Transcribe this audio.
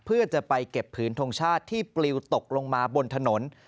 เพื่อจะไปเก็บผืนทงชาติที่ปลิวตกลงมาบนถนน